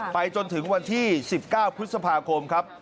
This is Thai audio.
ไปจนถึงวันที่๑๙พฤษภาคมครับ